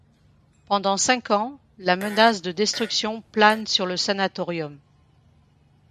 Pendant cinq ans, la menace de destruction plane sur le sanatorium.